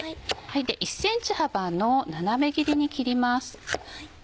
１ｃｍ幅の斜め切りに切ります。